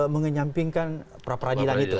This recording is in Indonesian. mengenyampingkan pra peradilan itu